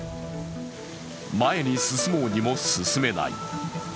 前に進もうにも進めない。